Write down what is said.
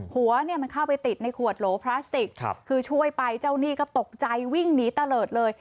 หัวเนี่ยมันเข้าไปติดในขวดโหลพลาสติกคือช่วยไปเจ้าหนี้ก็ตกใจวิ่งหนีตะเลิศเลย